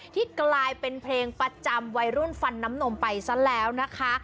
ที่กลายเป็นเพลงประจำวัยรุ่นฟันน้ำนมไปซะแล้วนะคะ